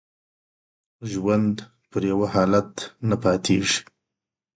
ژوند په یوه حالت نه پاتې کیږي.